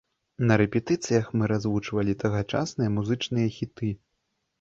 На рэпетыцыях мы развучвалі тагачасныя музычныя хіты.